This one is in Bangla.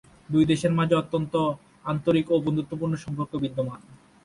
দুই দেশের মাঝে অত্যন্ত আন্তরিক এবং বন্ধুত্বপূর্ণ সম্পর্ক বিদ্যমান।